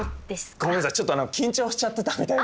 ごめんなさいちょっと緊張しちゃってたみたいで。